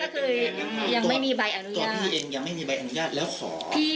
ก่อนพี่เองยังไม่มีใบอนุญาตแล้วขอ